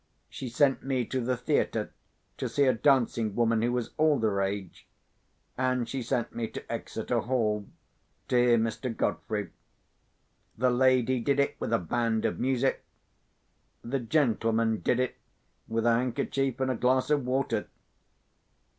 She sent me to the theatre to see a dancing woman who was all the rage; and she sent me to Exeter Hall to hear Mr. Godfrey. The lady did it, with a band of music. The gentleman did it, with a handkerchief and a glass of water.